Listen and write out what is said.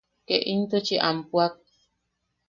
Ke intuchi am puak.